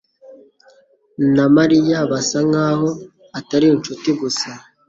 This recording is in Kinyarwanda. na Mariya basa nkaho atari inshuti gusa.